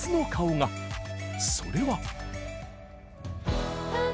それは。